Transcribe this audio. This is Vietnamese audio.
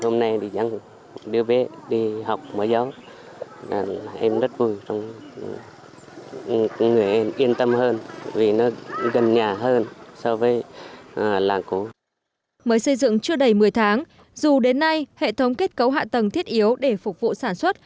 mới xây dựng chưa đầy một mươi tháng dù đến nay hệ thống kết cấu hạ tầng thiết yếu để phục vụ sản xuất